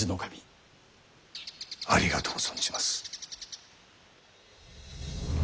ありがとう存じます。